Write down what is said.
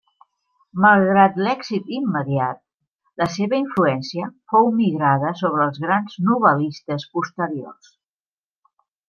Malgrat l'èxit immediat, la seva influència fou migrada sobre els grans novel·listes posteriors.